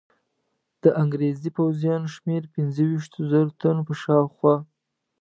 د انګرېزي پوځیانو شمېر پنځه ویشتو زرو تنو په شاوخوا.